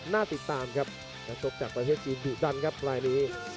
น่าติดตามครับนักชกจากประเทศจีนดุดันครับรายนี้